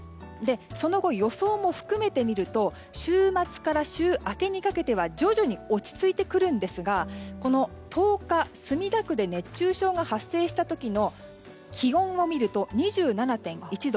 その後、予想も含めて見ると週末から週明けにかけては徐々に落ち着いてくるんですが１０日、墨田区で熱中症が発生した時の気温を見ると２７．１度。